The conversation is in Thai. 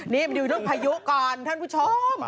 นี่มันอยู่ทุกพายุก่อนท่านผู้ชม